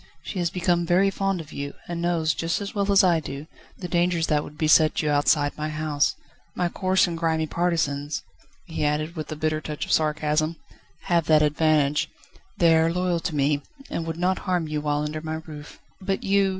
"She has become very fond of you, and knows, just as well as I do, the dangers that would beset you outside my house. My coarse and grimy partisans," he added, with a bitter touch of sarcasm, "have that advantage, that they are loyal to me, and would not harm you while under my roof." "But you